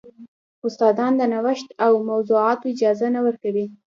استادان د نوښت او موضوعاتو اجازه نه ورکوي.